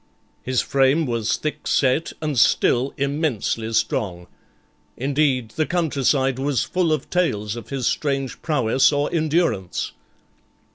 His frame was thick set, and still immensely strong; indeed, the countryside was full of tales of his strange prowess or endurance.